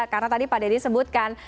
karena tadi pak dedy sebutkan